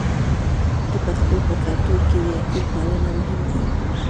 د پښتنو په کلتور کې د یتیم پالنه مهمه ده.